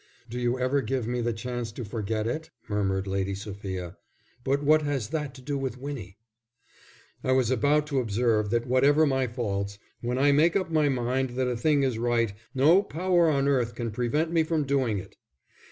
"Do you ever give me the chance to forget it?" murmured Lady Sophia. "But what has that to do with Winnie?" "I was about to observe that whatever my faults, when I make up my mind that a thing is right, no power on earth can prevent me from doing it.